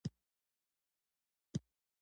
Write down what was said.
ژور درک د پوهې رڼا زیاتوي.